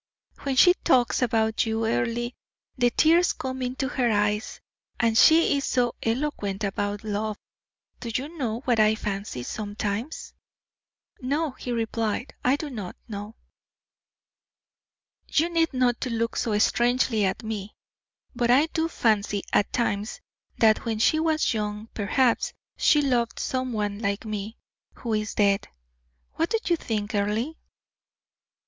"When she talks about you, Earle, the tears come into her eyes, and she is so eloquent about love. Do you know what I fancy sometimes?" "No," he replied, "I do not." "You need not look so strangely at me; but I do fancy at times that when she was young, perhaps she loved some one like me, who is dead. What do you think, Earle?"